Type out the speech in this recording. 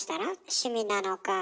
趣味なのか。